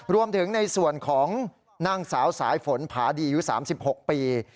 รวมถึงในส่วนของนางสาวสายฝนผาดีอายุ๓๖ปี